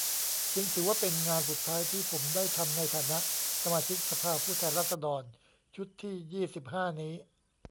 จึงถือว่าเป็นงานสุดท้ายที่ผมได้ทำในฐานะ สมาชิกสภาผู้แทนราษฎรชุดที่ ยี่สิบห้า นี้